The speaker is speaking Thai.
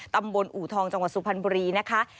ตำบลอูทองจังหวัดสุพันธ์บุรีนะคะ